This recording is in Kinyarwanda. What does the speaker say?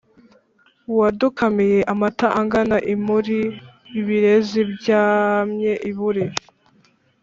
Wadukamiye amata angana imuri ibirezi byamye i Buri